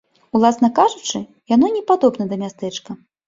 Уласна кажучы, яно не падобна да мястэчка.